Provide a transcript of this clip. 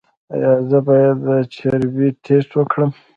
ایا زه باید د چربي ټسټ وکړم؟